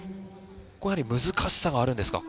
やはり難しさがあるんですか？